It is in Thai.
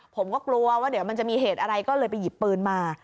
ผมก็กลัวว่าเดี๋ยวมันจะมีเหตุอะไรก็เลยไปหยิบปืนมา